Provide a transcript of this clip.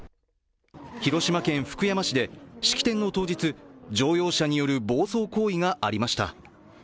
広島県福山市で、式典の当日、乗用車による暴走行為がありました。